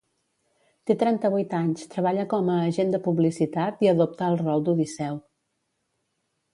Té trenta-vuit anys, treballa com a agent de publicitat i adopta el rol d'Odisseu.